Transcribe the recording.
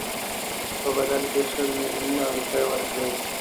په بدل کې شل میلیونه روپۍ ورکړي.